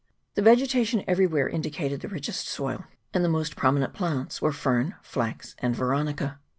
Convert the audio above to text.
The vegetation everywhere indicated the richest soil, and the most prominent plants were fern, flax, and veronica.